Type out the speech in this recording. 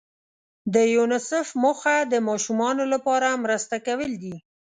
د یونیسف موخه د ماشومانو لپاره مرسته کول دي.